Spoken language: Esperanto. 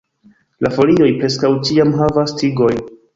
La folioj preskaŭ ĉiam havas tigojn.